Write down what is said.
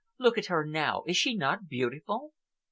Look at her now. Is she not beautiful?"